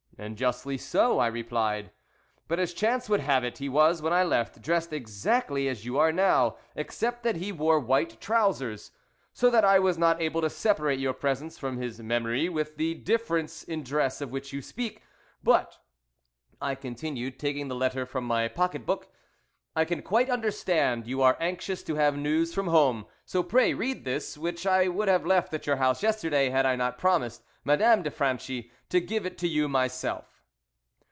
"And justly so," I replied; "but as chance would have it, he was, when I left, dressed exactly as you are now, except that he wore white trowsers, so that I was not able to separate your presence from his memory with the difference in dress of which you speak, but," I continued, taking the letter from my pocket book, "I can quite understand you are anxious to have news from home, so pray read this which I would have left at your house yesterday had I not promised Madame de Franchi to give it to you myself."